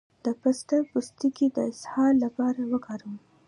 د پسته پوستکی د اسهال لپاره وکاروئ